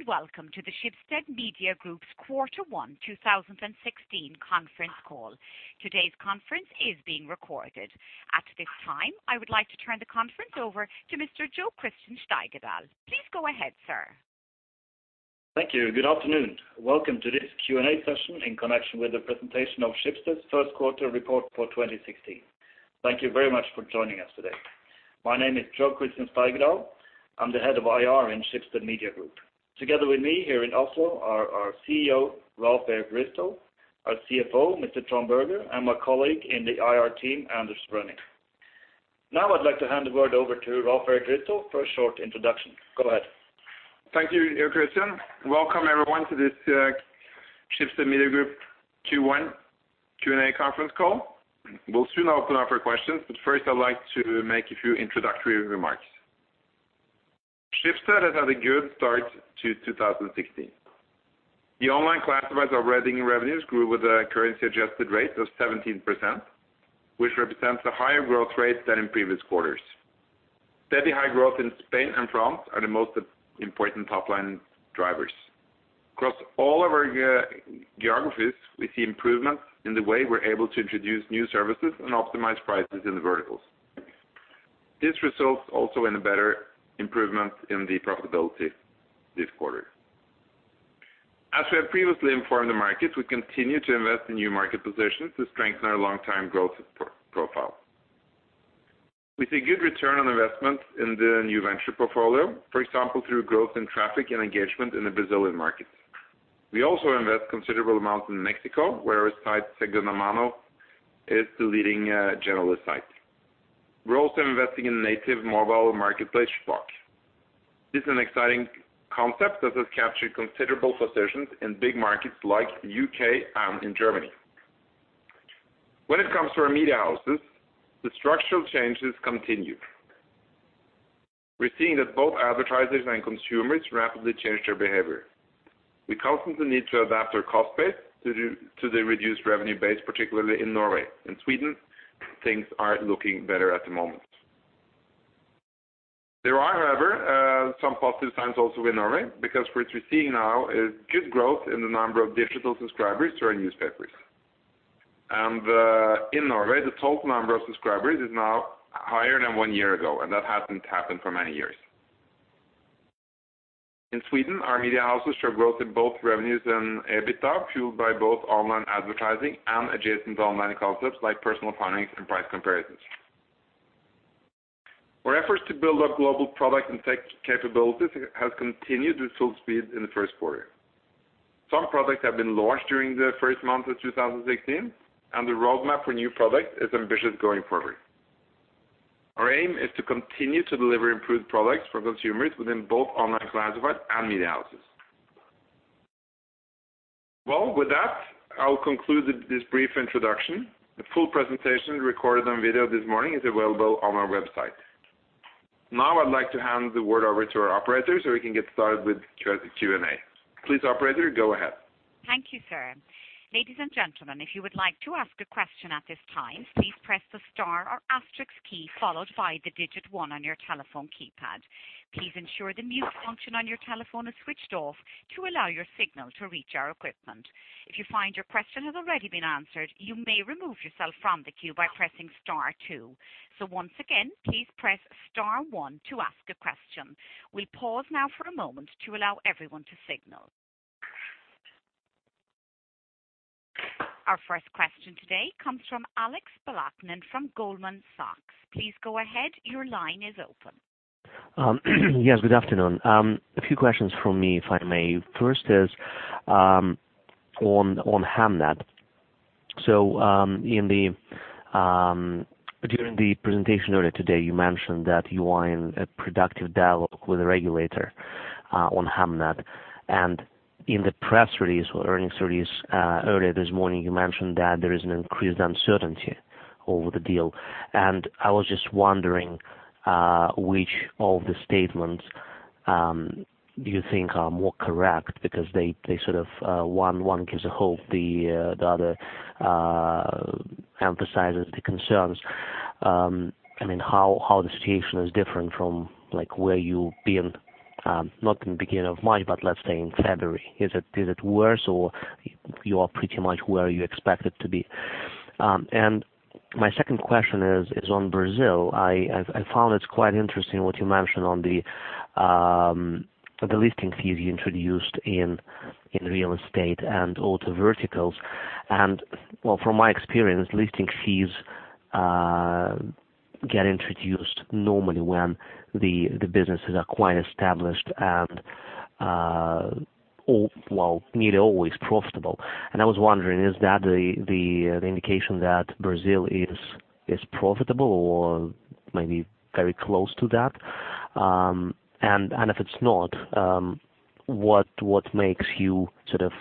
Good day, welcome to the Schibsted Media Group's Quarter One 2016 conference call. Today's conference is being recorded. At this time, I would like to turn the conference over to Mr. Jo Christian Steigedal. Please go ahead, sir. Thank you. Good afternoon. Welcome to this Q&A session in connection with the presentation of Schibsted's Q1 report for 2016. Thank you very much for joining us today. My name is Jo Christian Steigedal. I'm the head of IR in Schibsted Media Group. Together with me here in Oslo are our CEO, Rolv Erik Ryssdal, our CFO, Mr. Trond Berger, and my colleague in the IR team, Anders Bruning. Now I'd like to hand the word over to Rolv Erik Ryssdal for a short introduction. Go ahead. Thank you, Jo Christian. Welcome, everyone, to this Schibsted Media Group Q1 Q&A conference call. We'll soon open up for questions. First, I'd like to make a few introductory remarks. Schibsted has had a good start to 2016. The online classifieds operating revenues grew with a currency-adjusted rate of 17%, which represents a higher growth rate than in previous quarters. Steady high growth in Spain and France are the most important top-line drivers. Across all of our geographies, we see improvements in the way we're able to introduce new services and optimize prices in the verticals. This results also in a better improvement in the profitability this quarter. As we have previously informed the markets, we continue to invest in new market positions to strengthen our long-term growth support profile. We see good return on investment in the new venture portfolio, for example, through growth in traffic and engagement in the Brazilian markets. We also invest considerable amounts in Mexico, where our site, Segundamano, is the leading generalist site. We're also investing in native mobile marketplace Shpock. This is an exciting concept that has captured considerable positions in big markets like U.K. and in Germany. When it comes to our media houses, the structural changes continue. We're seeing that both advertisers and consumers rapidly change their behavior. We constantly need to adapt our cost base to the reduced revenue base, particularly in Norway and Sweden, things are looking better at the moment. There are, however, some positive signs also in Norway, because what we're seeing now is good growth in the number of digital subscribers to our newspapers. In Norway, the total number of subscribers is now higher than one year ago, and that hasn't happened for many years. In Sweden, our media houses show growth in both revenues and EBITDA, fueled by both online advertising and adjacent online concepts like personal finance and price comparisons. Our efforts to build up global product and tech capabilities has continued with full speed in the Q1. Some products have been launched during the first month of 2016, and the roadmap for new products is ambitious going forward. Our aim is to continue to deliver improved products for consumers within both online classifieds and media houses. Well, with that, I'll conclude this brief introduction. The full presentation recorded on video this morning is available on our website. I'd like to hand the word over to our operator, so we can get started with Q&A. Please, operator, go ahead. Thank you, sir. Ladies and gentlemen, if you would like to ask a question at this time, please press the star or asterisk key followed by the digit one on your telephone keypad. Please ensure the mute function on your telephone is switched off to allow your signal to reach our equipment. If you find your question has already been answered, you may remove yourself from the queue by pressing star two. Once again, please press star one to ask a question. We pause now for a moment to allow everyone to signal. Our first question today comes from Alex Blostein from Goldman Sachs. Please go ahead. Your line is open. Yes, good afternoon. A few questions from me, if I may. First is, on Hemnet. During the presentation earlier today, you mentioned that you are in a productive dialogue with the regulator, on Hemnet. In the press release or earnings release, earlier this morning, you mentioned that there is an increased uncertainty over the deal. I was just wondering, which of the statements, do you think are more correct? They sort of, one gives a hope, the other, emphasizes the concerns. How the situation is different from, like, where you've been, not in the beginning of March, but let's say in February. Is it worse, or you are pretty much where you expect it to be? My second question is on Brazil. I found it's quite interesting what you mentioned on the listing fees you introduced in real estate and auto verticals. Well, from my experience, listing fees get introduced normally when the businesses are quite established and well, nearly always profitable. I was wondering, is that the indication that Brazil is profitable or maybe very close to that? If it's not, what makes you sort of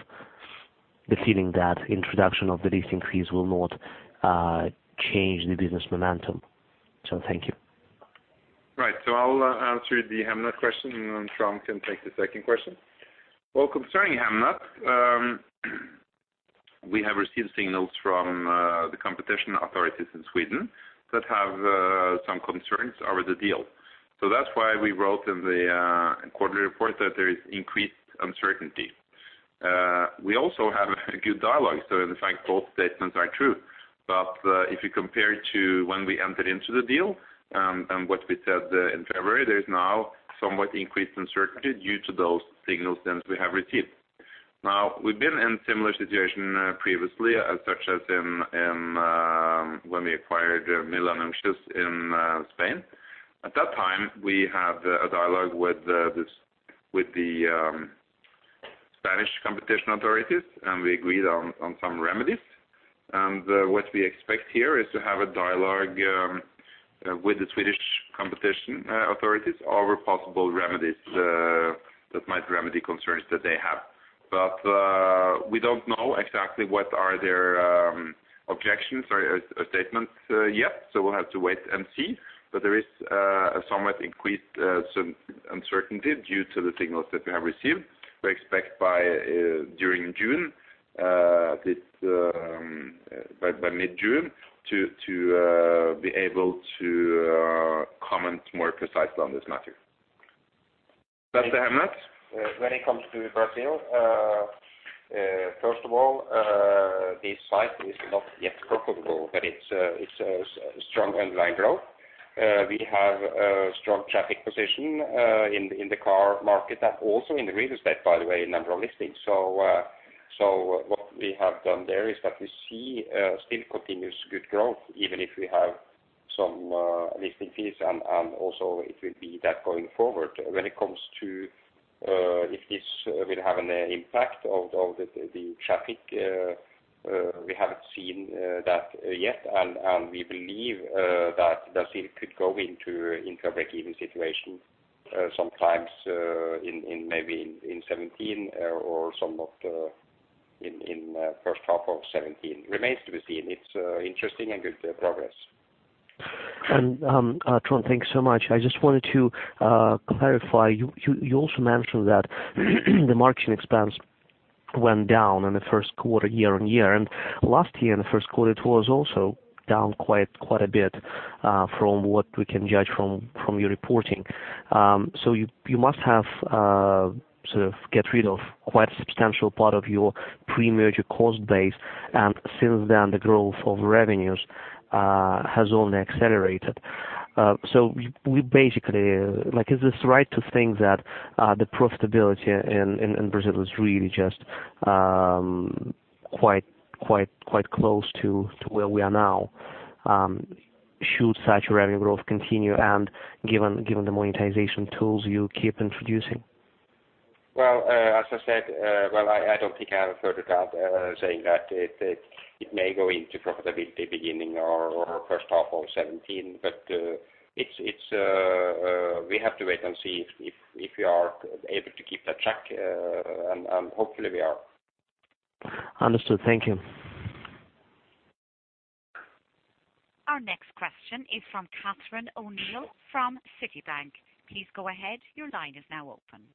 the feeling that introduction of the listing fees will not change the business momentum? Thank you. Right. I'll answer the Hemnet question, and then Trond can take the second question. Well, concerning Hemnet, We have received signals from the competition authorities in Sweden that have some concerns over the deal. That's why we wrote in the quarterly report that there is increased uncertainty. We also have a good dialogue, so in fact both statements are true. If you compare to when we entered into the deal, and what we said in February, there is now somewhat increased uncertainty due to those signal signs we have received. We've been in similar situation previously, such as in when we acquired Milanuncios in Spain. At that time, we had a dialogue with the Spanish competition authorities, and we agreed on some remedies. What we expect here is to have a dialogue with the Swedish competition authorities over possible remedies that might remedy concerns that they have. We don't know exactly what are their objections or statements yet, so we'll have to wait and see. There is a somewhat increased uncertainty due to the signals that we have received. We expect by during June, this, by mid-June to be able to comment more precisely on this matter. Best to have next. When it comes to Brazil, first of all, this site is not yet profitable, but it's a strong online growth. We have a strong traffic position in the car market and also in the real estate, by the way, in number of listings. What we have done there is that we see still continuous good growth, even if we have some listing fees and also it will be that going forward. When it comes to if this will have an impact of the traffic, we haven't seen that yet. We believe that it could go into a break-even situation sometimes in maybe in 2017 or somewhat in first half of 2017. Remains to be seen. It's interesting and good progress. Trond, thanks so much. I just wanted to clarify. You also mentioned that the margin expense went down in the Q1 year-on-year. Last year in the Q1, it was also down quite a bit from what we can judge from your reporting. So you must have sort of get rid of quite a substantial part of your pre-merger cost base, and since then, the growth of revenues has only accelerated. So we basically, like, is this right to think that the profitability in Brazil is really just quite close to where we are now, should such revenue growth continue and given the monetization tools you keep introducing? Well, as I said, well, I don't think I have heard a doubt, saying that it may go into profitability beginning or first half of 2017. It's, we have to wait and see if we are able to keep the track. Hopefully we are. Understood. Thank you. Our next question is from Catherine O'Neill from Citi. Please go ahead. Your line is now open.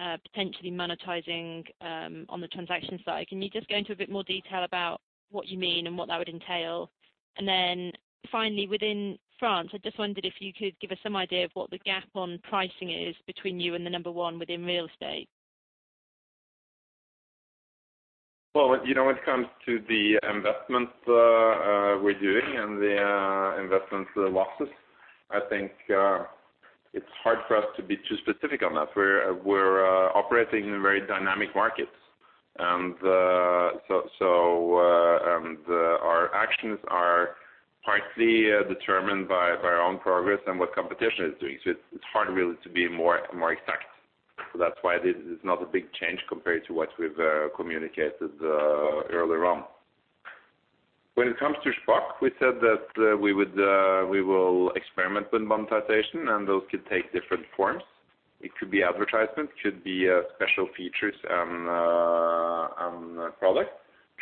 well when it comes to the investment we're doing and the investment losses, I think it's hard for us to be too specific on that. We're operating in very dynamic markets. Our actions are partly determined by our own progress and what competition is doing. It's hard really to be more exact. That's why this is not a big change compared to what we've communicated earlier on. When it comes to Shpock, we said that we will experiment with monetization, and those could take different forms. It could be advertisement, could be special features on product.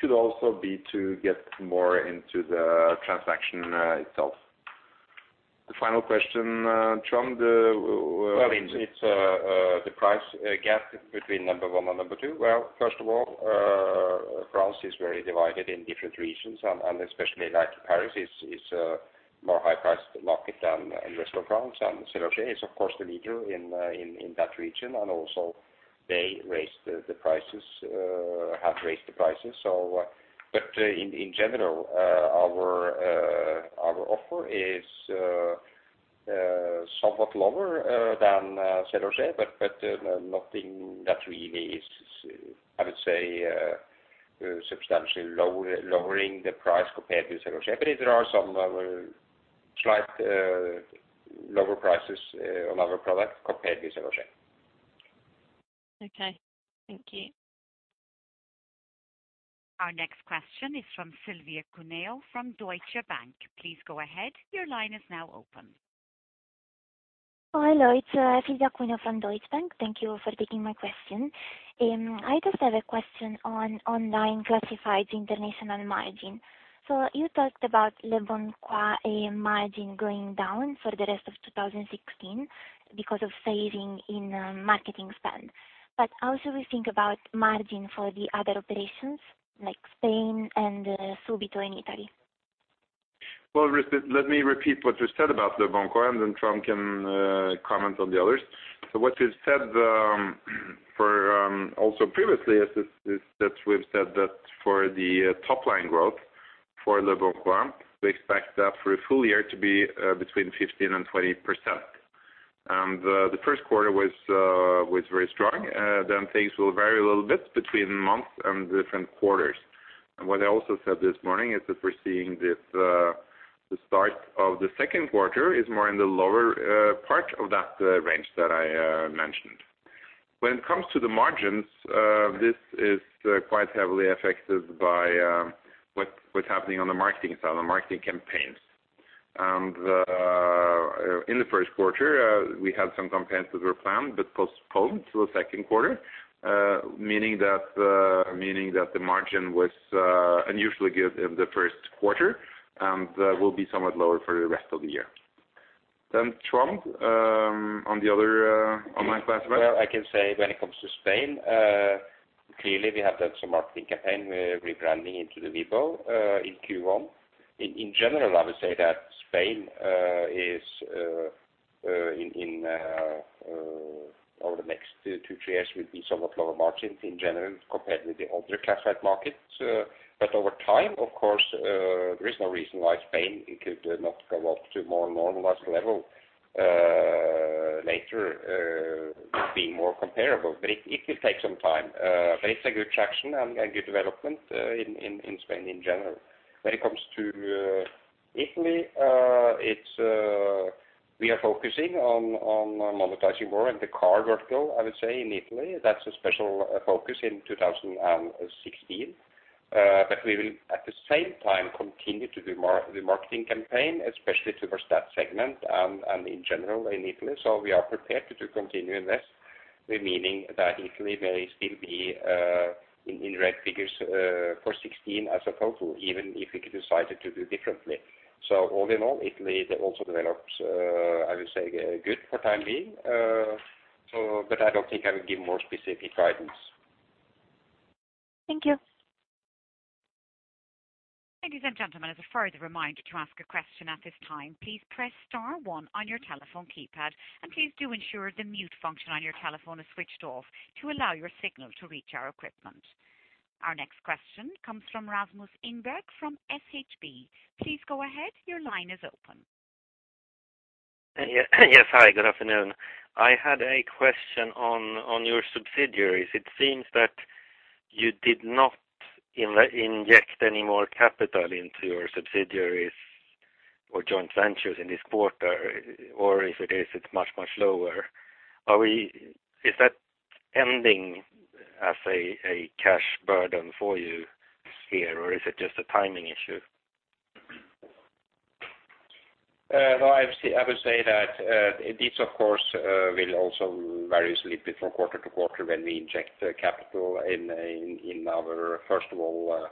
Could also be to get more into the transaction itself. The final question, Trond. It's the price gap between number one and number two. First of all, France is very divided in different regions, and especially like Paris is more high-priced market than the rest of France. SeLoger is, of course, the leader in that region. Also they have raised the prices. In general, our offer is somewhat lower than SeLoger, but nothing that really is, I would say, substantially lowering the price compared to SeLoger. There are some Slight lower prices on our product compared with the last year. Okay. Thank you. Our next question is from Silvia Cuneo from Deutsche Bank. Please go ahead. Your line is now open. Hello. It's Silvia Cuneo from Deutsche Bank. Thank you for taking my question. I just have a question on online classifieds international margin. You talked about leboncoin margin going down for the rest of 2016 because of saving in marketing spend. How should we think about margin for the other operations like Spain and Subito in Italy? Well, first let me repeat what you said about leboncoin, then Trond can comment on the others. What you've said for also previously is that we've said that for the top line growth for leboncoin, we expect that for a full year to be between 15% and 20%. The Q1 was very strong. Things will vary a little bit between months and different quarters. What I also said this morning is that we're seeing this the start of the Q2 is more in the lower part of that range that I mentioned. When it comes to the margins, this is quite heavily affected by what's happening on the marketing side, the marketing campaigns. In the Q1, we had some campaigns that were planned but postponed to the Q2, meaning that the margin was unusually good in the Q1 and will be somewhat lower for the rest of the year. Trond, on the other, online classified. Well, I can say when it comes to Spain, clearly we have done some marketing campaign. We're rebranding into the Vibbo in Q1. In general, I would say that Spain is in over the next two, three years will be somewhat lower margins in general compared with the other classified markets. Over time, of course, there is no reason why Spain it could not go up to more normalized level later being more comparable. It could take some time. It's a good traction and good development in Spain in general. When it comes to Italy, it's we are focusing on monetizing more in the car vertical, I would say in Italy. That's a special focus in 2016. But we will at the same time continue to do the marketing campaign, especially towards that segment and in general in Italy. We are prepared to continue invest, meaning that Italy may still be in red figures for 2016 as a total, even if we could decide to do differently. All in all, Italy also develops, I would say good for time being. But I don't think I would give more specific guidance. Thank you. Ladies and gentlemen, as a further reminder to ask a question at this time, please press star one on your telephone keypad, please do ensure the mute function on your telephone is switched off to allow your signal to reach our equipment. Our next question comes from Rasmus Ingberg from SHB. Please go ahead. Your line is open. Yeah. Yes. Hi, good afternoon. I had a question on your subsidiaries. It seems that you did not inject any more capital into your subsidiaries or joint ventures in this quarter, or if it is, it's much, much lower. Is that ending as a cash burden for you here, or is it just a timing issue? I would say that this of course will also variously differ quarter to quarter when we inject the capital in our, first of all,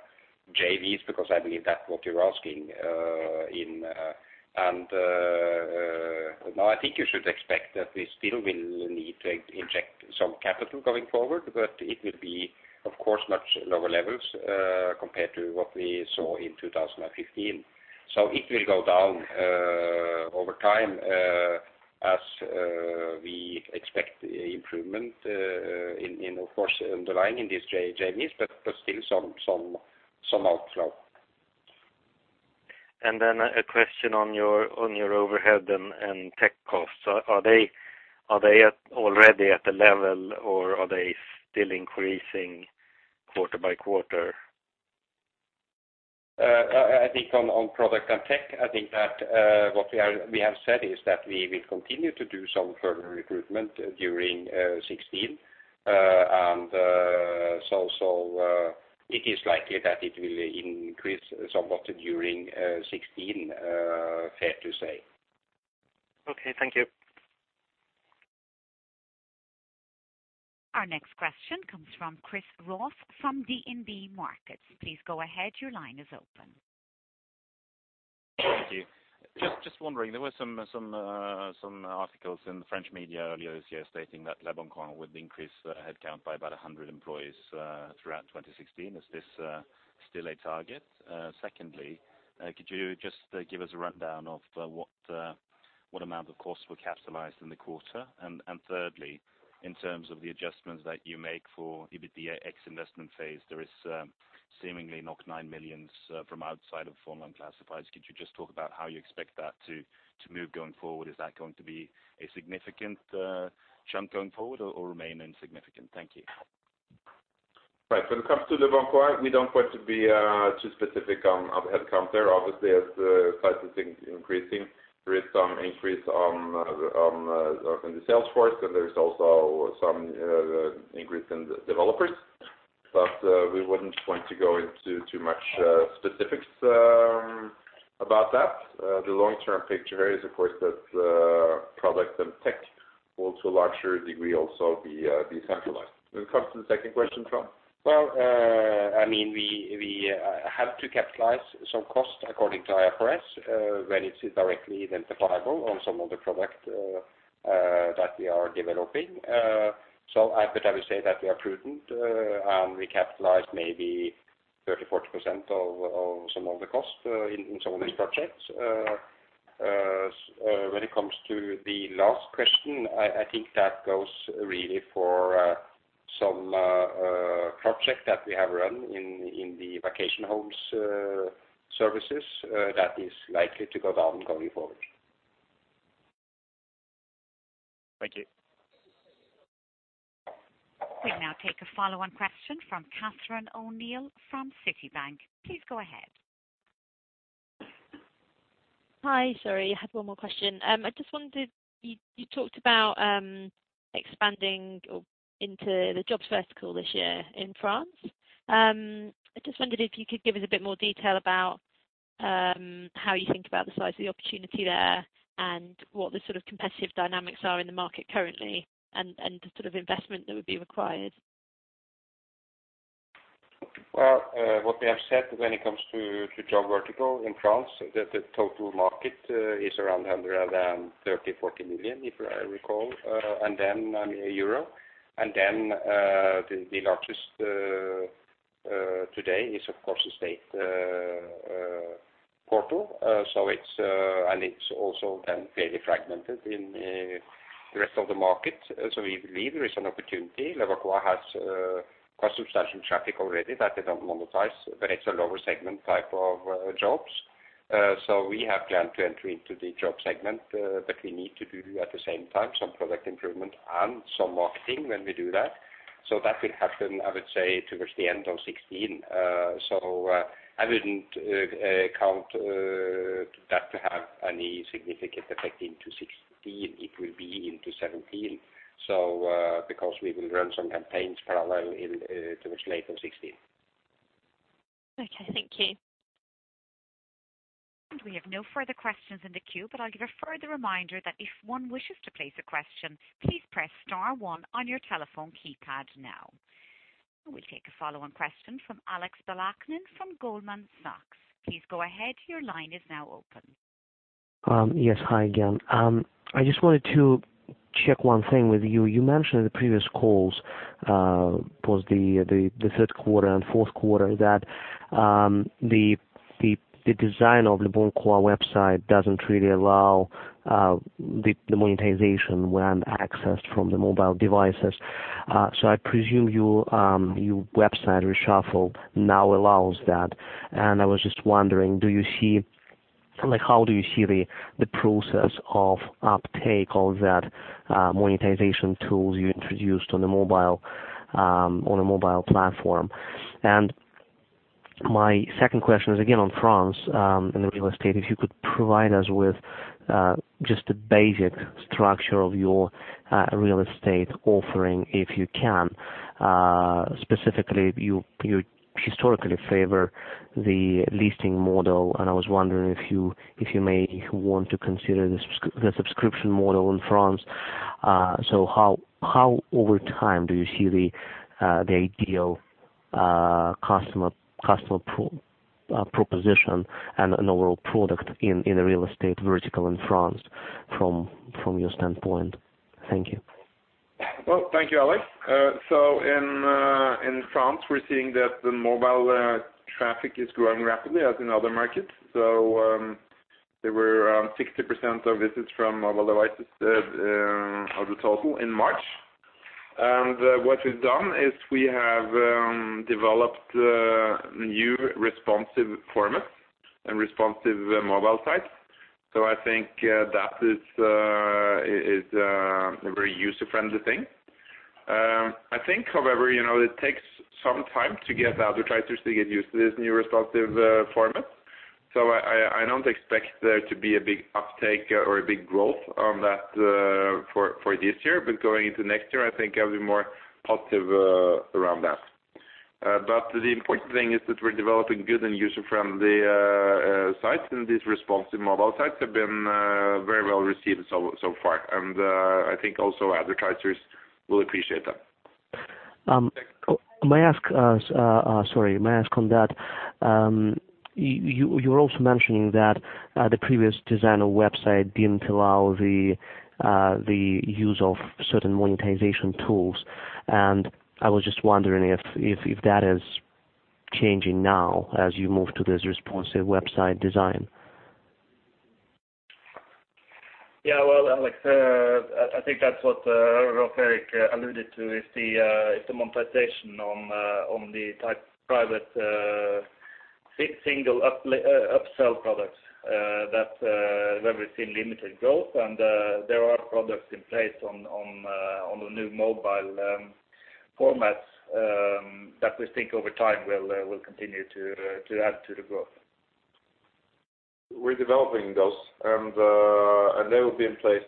JVs, because I believe that's what you're asking, in, and, no, I think you should expect that we still will need to inject some capital going forward, but it will be of course much lower levels, compared to what we saw in 2015. It will go down over time as we expect improvement in of course underlying in these JVs, but still some outflow. A question on your overhead and tech costs. Are they already at a level or are they still increasing quarter by quarter? and tech, what we have said is that we will continue to do some further recruitment during 2016. It is likely that it will increase somewhat during 2016, fair to say Okay. Thank you. Our next question comes from Christer Roth from DNB Markets. Please go ahead. Your line is open. Thank you. Just wondering, there were some articles in the French media earlier this year stating that leboncoin would increase headcount by about 100 employees throughout 2016. Is this still a target? Secondly, could you just give us a rundown of what amount of costs were capitalized in the quarter? Thirdly, in terms of the adjustments that you make for EBITDA ex-investment Phase, there is seemingly 9 million from outside of formal and classified. Could you just talk about how you expect that to move going forward? Is that going to be a significant chunk going forward or remain insignificant? Thank you. When it comes to leboncoin, we don't want to be too specific on the headcount there. Obviously, as the site is increasing, there is some increase on the sales force, and there is also some increase in the developers. We wouldn't want to go into too much specifics about that. The long-term picture is, of course, that product and tech will, to a larger degree, also be centralized. When it comes to the second question, Tom? Well, I mean, we have to capitalize some costs according to IFRS when it is directly identifiable on some of the product that we are developing. I would say that we are prudent, and we capitalize maybe 30%-40% of some of the costs in some of these projects. When it comes to the last question, I think that goes really for some project that we have run in the vacation homes services that is likely to go down going forward. Thank you. We'll now take a follow-on question from Catherine O'Neill from Citi. Please go ahead. Hi. Sorry, I had one more question. I just wondered, you talked about expanding or into the jobs vertical this year in France. I just wondered if you could give us a bit more detail about how you think about the size of the opportunity there and what the sort of competitive dynamics are in the market currently and the sort of investment that would be required? What we have said when it comes to job vertical in France, the total market is around 130-140 million, if I recall, and then, euro. The largest today is, of course, the state portal. It's and it's also then fairly fragmented in the rest of the market. We believe there is an opportunity. leboncoin has quite substantial traffic already that they don't monetize, but it's a lower segment type of jobs. We have planned to entry into the job segment, but we need to do at the same time some product improvement and some marketing when we do that. That will happen, I would say, towards the end of 2016. I wouldn't count that to have any significant effect into 2016. It will be into 2017. Because we will run some campaigns parallel in towards late in 2016. Okay. Thank you. We have no further questions in the queue, but I'll give a further reminder that if one wishes to place a question, please press star one on your telephone keypad now. We'll take a follow-on question from Alex Blostein from Goldman Sachs. Please go ahead. Your line is now open. Yes. Hi again. I just wanted to check one thing with you. You mentioned in the previous calls, it was the Q3 and Q4, that the design of Leboncoin website doesn't really allow the monetization when accessed from the mobile devices. I presume your website reshuffle now allows that. I was just wondering, do you see Like, how do you see the process of uptake of that monetization tools you introduced on the mobile, on a mobile platform? My second question is again on France, in the real estate. If you could provide us with just a basic structure of your real estate offering, if you can? Specifically, you historically favor the leasing model, I was wondering if you may want to consider the subscription model in France. How over time do you see the ideal customer proposition and an overall product in a real estate vertical in France from your standpoint? Thank you. Well, thank you, Alex. In France, we're seeing that the mobile traffic is growing rapidly as in other markets. There were around 60% of visits from mobile devices of the total in March. What we've done is we have developed a new responsive format and responsive mobile site. I think that is a very user-friendly thing. I think, however it takes some time to get the advertisers to get used to this new responsive format. I don't expect there to be a big uptake or a big growth on that for this year. Going into next year, I think I'll be more positive around that. The important thing is that we're developing good and user-friendly sites, and these responsive mobile sites have been very well received so far. I think also advertisers will appreciate that. May I ask, sorry, may I ask on that, you're also mentioning that, the previous design of website didn't allow the use of certain monetization tools. I was just wondering if that is changing now as you move to this responsive website design? Yeah. Well, Alex, I think that's what Rolv Erik alluded to, is the, is the monetization on the type private. Six single up, upsell products, that, where we've seen limited growth. There are products in place on the new mobile, formats, that we think over time will continue to add to the growth. We're developing those and they will be in place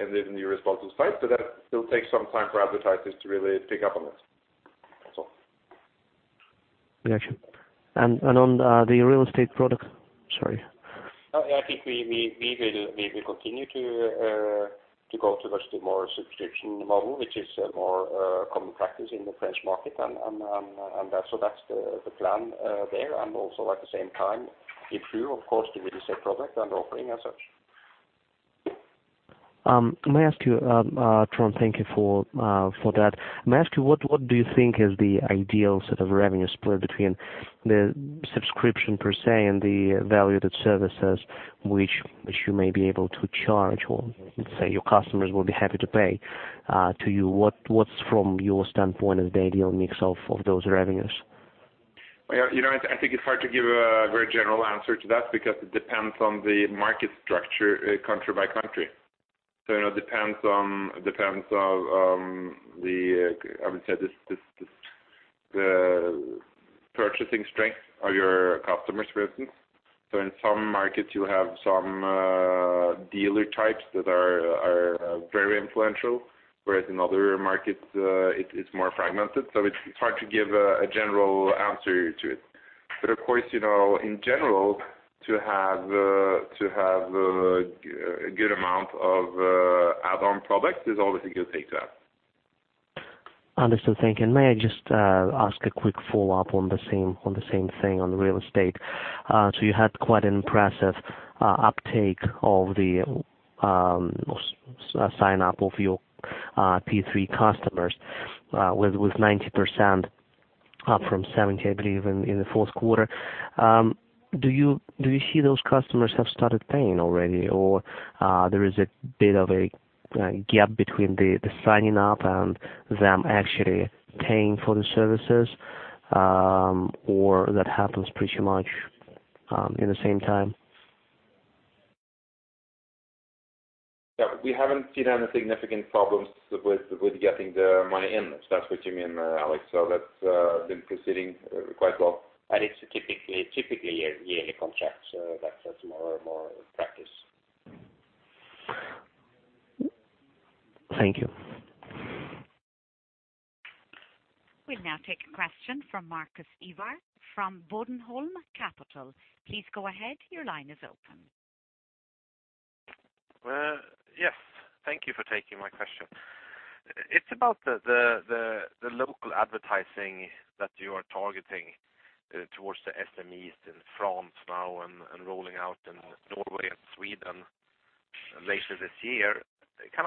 in the new responses site. That will take some time for advertisers to really pick up on it. That's all. Got you. On the real estate product. Sorry. I think we will continue to go towards the more subscription model, which is a more common practice in the French market. That's the plan there, and also at the same time improve, of course, the real estate product and offering as such. May I ask you, Trond, thank you for that. May I ask you, what do you think is the ideal sort of revenue split between the subscription per se and the value-added services which you may be able to charge, or let's say your customers will be happy to pay to you? What's from your standpoint is the ideal mix of those revenues? well I think it's hard to give a very general answer to that because it depends on the market structure, country by country. It depends on, the, I would say this, the purchasing strength of your customers, for instance. In some markets, you have some, dealer types that are very influential, whereas in other markets, it's more fragmented. It's hard to give a general answer to it. Of course in general, to have a good amount of, add-on products is always a good thing to have. Understood. Thank you. May I just ask a quick follow-up on the same thing on real estate? You had quite an impressive uptake of the sign up of your P3 customers with 90% up from 70, I believe, in the Q4. Do you see those customers have started paying already, or there is a bit of a gap between the signing up and them actually paying for the services, or that happens pretty much in the same time? Yeah. We haven't seen any significant problems with getting the money in. If that's what you mean, Alex. That's been proceeding quite well. It's typically a yearly contract, so that's more and more practice. Thank you. We'll now take a question from Marcus Ivar from Bodenholm Capital. Please go ahead. Your line is open. Yes. Thank you for taking my question. It's about the local advertising that you are targeting towards the SMEs in France now and rolling out in Norway and Sweden later this year. Can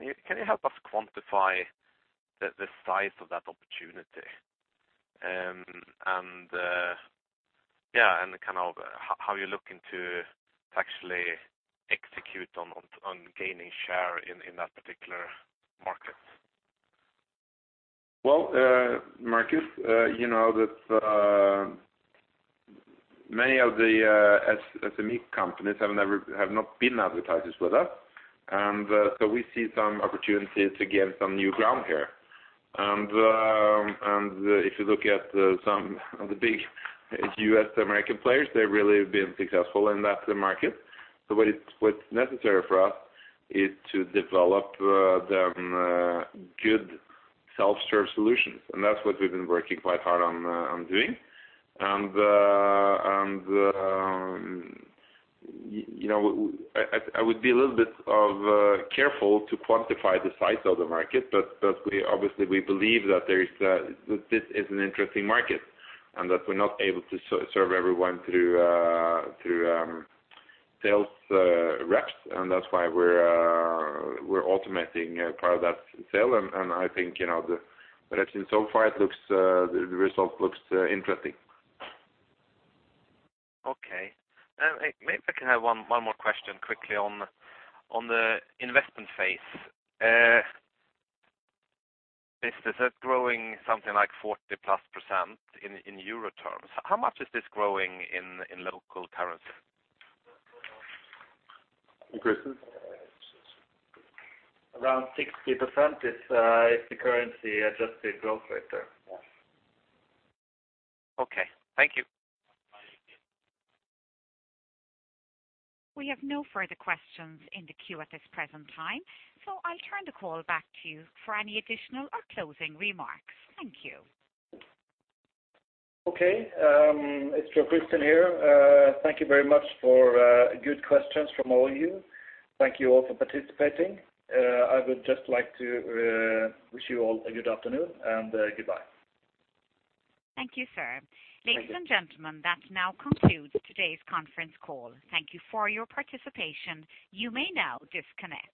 you help us quantify the size of that opportunity and kind of how you're looking to actually execute on gaining share in that particular market? Well, Marcus, you know that many of the SME companies have not been advertisers with us. We see some opportunities to gain some new ground here. If you look at some of the big U.S. American players, they've really been successful in that market. What's necessary for us is to develop them good self-serve solutions. That's what we've been working quite hard on doing. I would be a little bit careful to quantify the size of the market, but we obviously believe that there is this is an interesting market, and that we're not able to serve everyone through sales reps. That's why we're automating part of that sale. I think I think so far, it looks, the result looks interesting. Okay. Maybe I can have one more question quickly on the investment Phase. This is growing something like 40+% in EUR terms. How much is this growing in local currency? Christian? Around 60% is the currency-adjusted growth rate there. Okay. Thank you. We have no further questions in the queue at this present time. So I'll turn the call back to you for any additional or closing remarks. Thank you. Okay. it's for Christian here. Thank you very much for good questions from all of you. Thank you all for participating. I would just like to wish you all a good afternoon and goodbye. Thank you, sir. Thank you. Ladies and gentlemen, that now concludes today's conference call. Thank you for your participation. You may now disconnect.